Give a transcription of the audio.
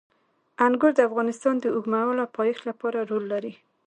انګور د افغانستان د اوږدمهاله پایښت لپاره رول لري.